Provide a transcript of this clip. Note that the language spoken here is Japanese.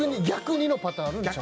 逆にのパターン。